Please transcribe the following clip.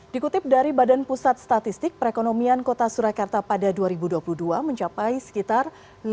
dikutip dari badan pusat statistik perekonomian kota surakarta pada dua ribu dua puluh dua mencapai sekitar